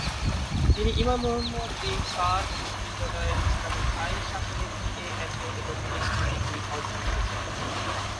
তিনি Imam Muhammad bin Saud বিশ্ববিদ্যালয়ে Islamic আইন শাসনে বিএ, এমএ এবং পিএইচডি ডিগ্রি অর্জন করেছেন।